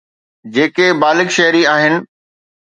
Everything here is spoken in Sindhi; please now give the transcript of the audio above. جيڪي بالغ شهري آهن.